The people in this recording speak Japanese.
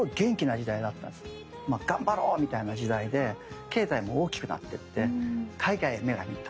まあ「頑張ろう！」みたいな時代で経済も大きくなってって海外に目が行った。